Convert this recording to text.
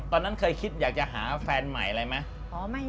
ตอนนั้นเคยคิดอยากจะหาแฟนใหม่อะไรไหม